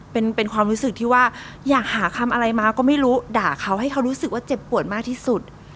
เป็นความรู้สึกที่ว่าอยากหาคำอะไรมาก็ไม่รู้ด่าเขาให้เขารู้สึกว่าเจ็บปวดมากที่สุด